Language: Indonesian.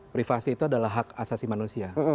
privasi itu adalah hak asasi manusia